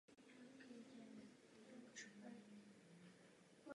O rok později bylo otevřeno zastoupení v Hongkongu.